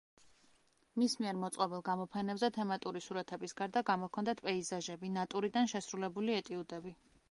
მის მიერ მოწყობილ გამოფენებზე თემატური სურათების გარდა გამოჰქონდათ პეიზაჟები, ნატურიდან შესრულებული ეტიუდები.